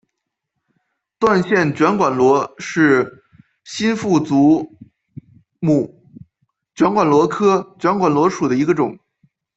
断线卷管螺是新腹足目卷管螺科卷管螺属的一个种。